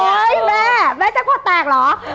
โอ้ยแม่แม่แจ๊คพอดแตกเหรอ